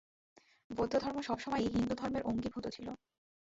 বৌদ্ধধর্ম সব সময়ই হিন্দুধর্মের অঙ্গীভূত ছিল।